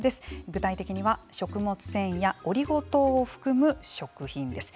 具体的には食物繊維やオリゴ糖を含む食品です。